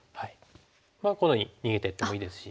このように逃げていってもいいですし。